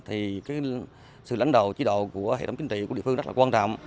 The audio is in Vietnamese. thì cái sự lãnh đạo chế độ của hệ thống chính trị của địa phương rất là quan trọng